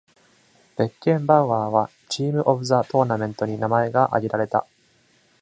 ベッケンバウアーは、チーム・オブ・ザ・トーナメントに名前が挙げられた。